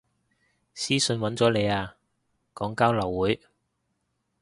私訊搵咗你啊，講交流會